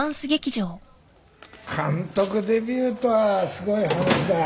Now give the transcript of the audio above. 監督デビューとはすごい話だ。